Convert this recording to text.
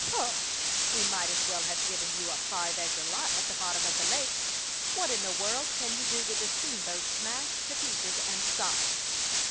" Humph ! He might as well have given you a five acre lot at the bottom of the lake. What in the world can you do with a steamboat smashed to pieces and sunk